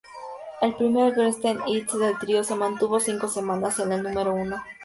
El primer Greatest hits del trío se mantuvo cinco semanas en el número uno.